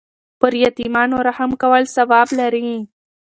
پر یتیمانو رحم کول ثواب لري.